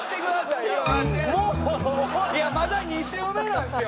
いやまだ２周目なんですよ。